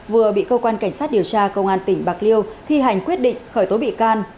vừa bị cơ quan cảnh sát điều tra công an tỉnh bạc liêu thi hành quyết định khởi tố bị can